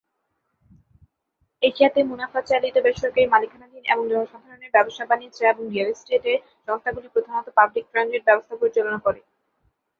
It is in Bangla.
এশিয়াতে, মুনাফা-চালিত, বেসরকারি মালিকানাধীন এবং জনসাধারণের ব্যবসা বাণিজ্য এবং রিয়েল এস্টেট সংস্থাগুলি প্রধানত পাবলিক ট্রানজিট ব্যবস্থা পরিচালনা করে।